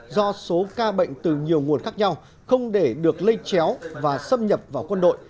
do số ca bệnh từ nhiều nguồn khác nhau không để được lây chéo và xâm nhập vào quân đội